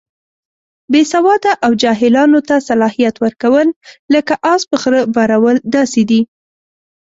بې سواده او جاهلانو ته صلاحیت ورکول، لکه اس په خره بارول داسې دي.